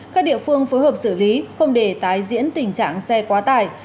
các địa phương phối hợp xử lý không để tái diễn tình trạng xe quá tải